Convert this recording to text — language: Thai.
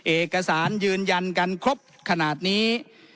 เอกสารยืนยันกันครบขนาดนี้